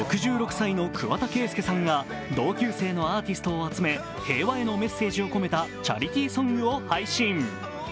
６６歳の桑田佳祐さんが同級生のアーティストを集め、平和へのメッセージを込めたチャリティーソングを配信。